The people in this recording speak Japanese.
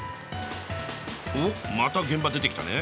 おっまた現場出てきたね。